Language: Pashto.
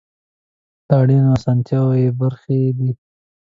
له اړینو اسانتیاوو بې برخې دي.